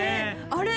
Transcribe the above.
あれ